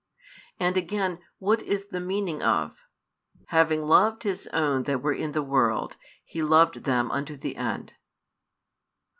And again, what is the meaning of: Having loved His own that were in the world, He loved them unto the end?